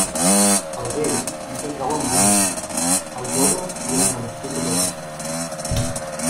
El vell en té prou amb una senya, al jove li és menester tot el bastó.